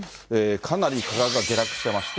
かなり価格が下落していまして。